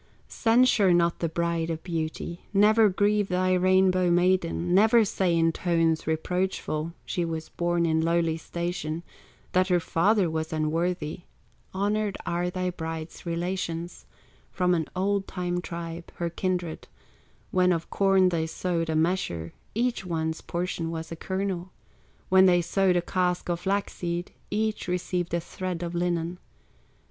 "Censure not the Bride of Beauty, Never grieve thy Rainbow maiden, Never say in tones reproachful, She was born in lowly station, That her father was unworthy; Honored are thy bride's relations, From an old time tribe, her kindred; When of corn they sowed a measure, Each one's portion was a kernel; When they sowed a cask of flax seed, Each received a thread of linen.